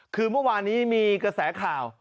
คือเมื่อวานนี้มีกระแสข่าว